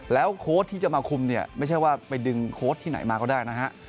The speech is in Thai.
โค้ดที่จะมาคุมเนี่ยไม่ใช่ว่าไปดึงโค้ดที่ไหนมาก็ได้นะฮะ